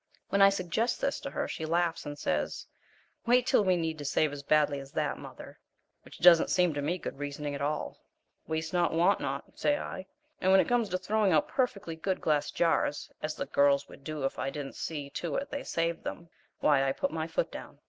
When I suggest this to her she laughs and says, "Wait till we need to save as badly as that, mother," which doesn't seem to me good reasoning at all. "Waste not, want not," say I, and when it comes to throwing out perfectly good glass jars, as the girls would do if I didn't see to it they saved them, why, I put my foot down.